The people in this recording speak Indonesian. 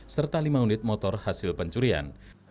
serta lima unit motor hasil pencurian